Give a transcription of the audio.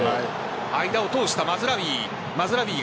間を通したマズラウィ。